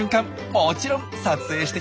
もちろん撮影してきましたよ。